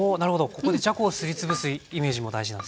ここでじゃこをすり潰すイメージも大事なんですね。